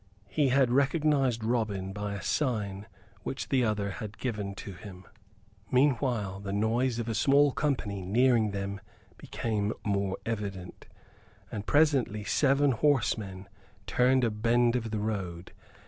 He had recognized Robin by a sign which the other had given to him. Meanwhile the noise of a small company nearing them became more evident; and presently seven horsemen turned a bend of the road.